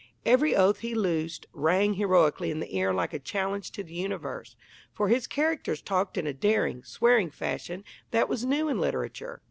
Every oath he loosed rang heroically in the ear like a challenge to the universe; for his characters talked in a daring, swearing fashion that was new in literature.